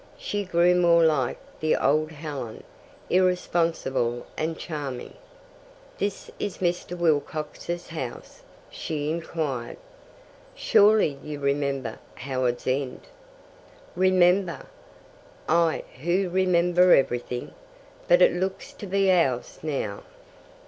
She grew more like the old Helen, irresponsible and charming. "This is Mr. Wilcox's house?" she inquired. "Surely you remember Howards End?" "Remember? I who remember everything! But it looks to be ours now."